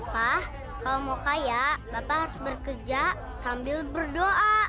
pak kalau mau kaya tata harus bekerja sambil berdoa